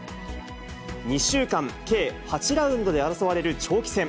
２週間計８ラウンドで争われる長期戦。